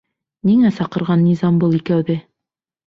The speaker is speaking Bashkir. Ниңә саҡырған Низам был икәүҙе?